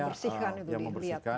membersihkan itu dilihat